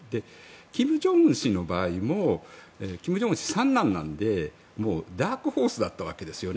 金正恩氏の場合も金正恩氏、三男なのでダークホースだったわけですよね。